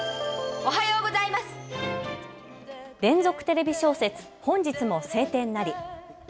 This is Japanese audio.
連続テレビ小説、本日も晴天なり。